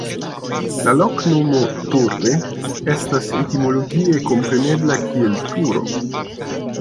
La loknomo "Torre" estas etimologie komprenebla kiel "Turo".